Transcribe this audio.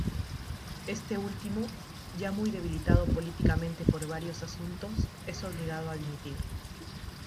Este último, ya muy debilitado políticamente por varios asuntos, es obligado a dimitir.